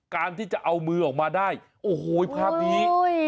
การที่จะเอามือออกมาได้โอ้โหภาพนี้